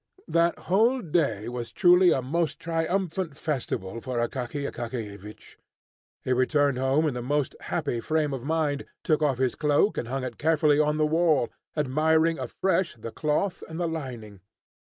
That whole day was truly a most triumphant festival for Akaky Akakiyevich. He returned home in the most happy frame of mind, took off his cloak, and hung it carefully on the wall, admiring afresh the cloth and the lining.